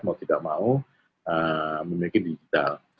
mau tidak mau memiliki digital